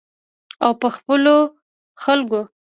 او په خپلو خلکو.